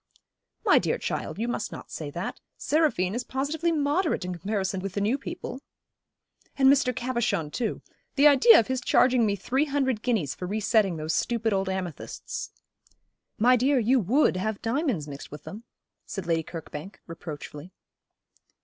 'My dear child, you must not say that. Seraphine is positively moderate in comparison with the new people.' 'And Mr. Cabochon, too. The idea of his charging me three hundred guineas for re setting those stupid old amethysts.' 'My dear, you would have diamonds mixed with them,' said Lady Kirkbank, reproachfully.